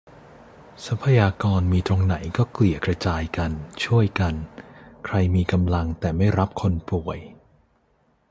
ทรัพยากรมีตรงไหนก็เกลี่ยกระจายกัน ช่วยกัน ใครมีกำลังแต่ไม่รับคนป่วย